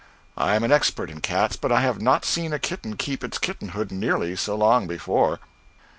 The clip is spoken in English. I am an expert in cats, but I have not seen a kitten keep its kittenhood nearly so long before.